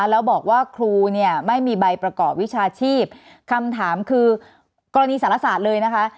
แล้วบอกว่าครูเนี่ยไม่มีใบประกอบวิชาชีพคำถามคือกรณีสารศาสตร์เลยนะคะ